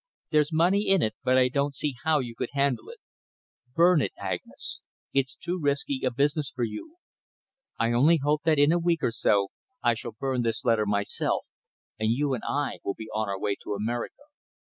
There's money in it, but I don't see how you could handle it. Burn it, Agnes. It's too risky a business for you! I only hope that in a week or so I shall burn this letter myself, and you and I will be on our way to America.